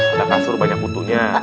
ada kasur banyak butuhnya